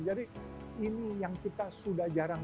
jadi ini yang kita sudah jarang